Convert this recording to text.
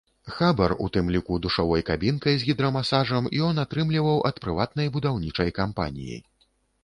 Хабар, у тым ліку душавой кабінкай з гідрамасажам, ён атрымліваў ад прыватнай будаўнічай кампаніі.